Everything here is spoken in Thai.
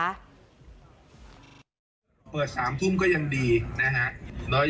๓ทุ่มก็ยังดีนะฮะ